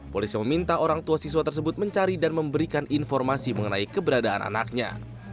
polisi meminta orang tua siswa tersebut mencari dan memberikan informasi mengenai keberadaan anaknya